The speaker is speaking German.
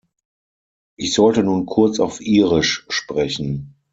Ich sollte nun kurz auf Irisch sprechen.